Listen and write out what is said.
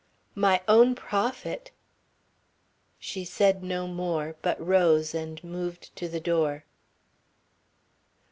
"My own profit!" She said no more, but rose and moved to the door.